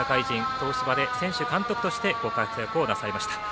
東芝で選手、監督としてご活躍をなさいました。